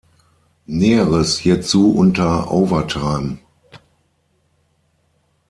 Näheres hierzu unter Overtime.